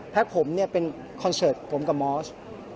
ผมเนี่ยเป็นคอนเสิร์ตผมกับมอส